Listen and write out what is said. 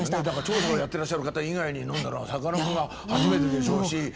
調査をやってらっしゃる方以外に飲んだのはさかなクンが初めてでしょうし。